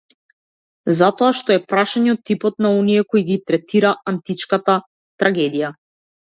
Затоа што е прашање од типот на оние кои ги третира античката трагедија.